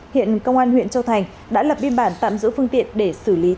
hiện công an huyện châu thành đã lập biên bản tạm giữ phương tiện để xử lý theo quy định của pháp luật